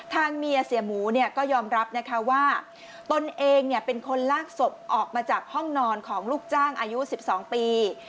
ทางเมียเสียหมูเนี่ยก็ยอมรับนะคะว่าตนเองเป็นคนลากศพออกมาจากห้องนอนของลูกจ้างอายุ๑๒ปี